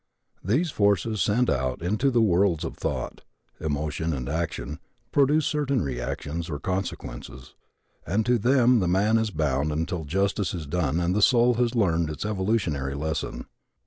These forces sent out into the worlds of thought, emotion and action, produce certain reactions, or consequences, and to them the man is bound until justice is done and the soul has learned its evolutionary lesson.